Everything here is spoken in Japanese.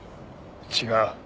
違う。